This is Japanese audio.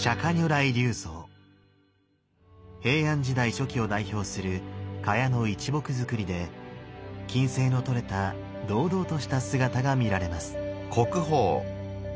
平安時代初期を代表する榧の一木造で均斉の取れた堂々とした姿が見られます。